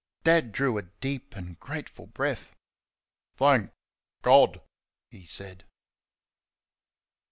Dad drew a deep and grateful breath. "Thank God!" he said.